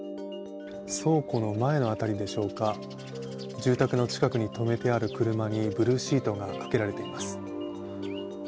倉庫の前の辺りでしょうか、住宅の近くに止めてある車にブルーシートがかけられています。